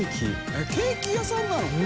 えっケーキ屋さんなの？）